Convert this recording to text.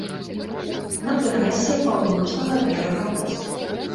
На тэрасе паўночнага берага воз.